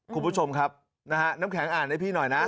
คุณผู้ชมครับนะฮะน้ำแข็งอ่านให้พี่หน่อยนะ